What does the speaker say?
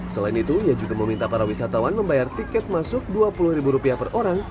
selain itu ia juga meminta para wisatawan membayar tiket masuk rp dua puluh ribu rupiah per orang